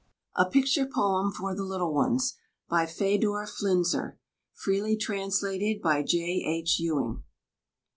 A PICTURE POEM FOR THE LITTLE ONES. _By Fedor Flinzer. Freely translated by J.H. Ewing.